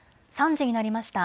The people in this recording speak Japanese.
３時になりました。